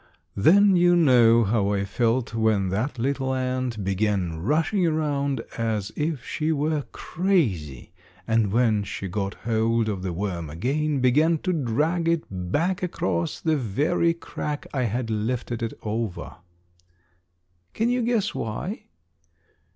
Then you know how I felt when that little ant began rushing around as if she were crazy, and when she got hold of the worm again, began to drag it back across the very crack I had lifted it over. Can you guess why?